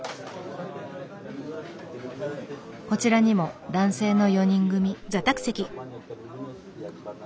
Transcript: こちらにも男性の４人組。